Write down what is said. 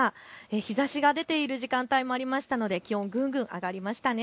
日ざしが出ている時間帯もありましたので気温、ぐんぐん上がりましたね。